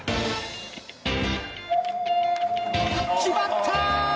決まった！